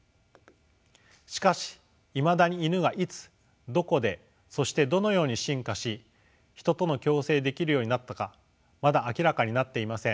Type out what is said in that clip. しかしいまだにイヌがいつどこでそしてどのように進化しヒトとの共生できるようになったかまだ明らかになっていません。